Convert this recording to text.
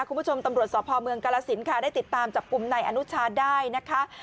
คุณผู้ชมตำรวจสพเมืองกาลสินค่ะได้ติดตามจับกลุ่มนายอนุชาได้นะคะ